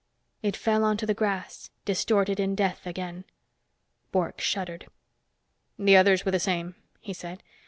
It fell onto the grass, distorted in death again. Bork shuddered. "The others were the same," he said.